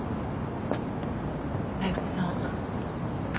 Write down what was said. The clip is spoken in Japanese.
妙子さん